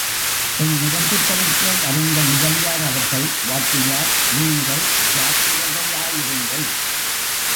என் முரட்டுத்தனத்தை அறிந்த முதலியார் அவர்கள், வாத்தியார், நீங்கள் ஜாக்கிரதையாயிருங்கள்.